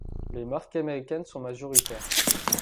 Les marques américaines sont majoritaires.